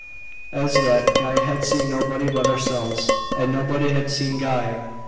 As yet Guy had seen nobody but ourselves, and nobody had seen Guy.